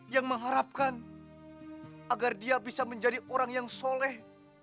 yang mengharapkan agar dia bisa menjadi orang yang soleh